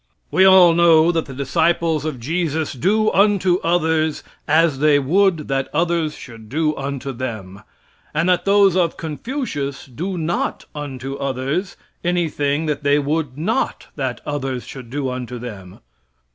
We all know that the disciples of Jesus do unto others as they would that others should do unto them, and that those of Confucius do not unto others anything that they would not that others should do unto them.